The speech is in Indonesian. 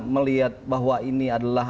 melihat bahwa ini adalah